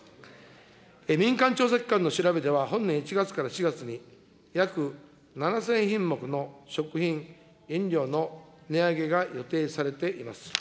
民間調査機関の調べでは、本年１月から４月に約７０００品目の食品、飲料の値上げが予定されています。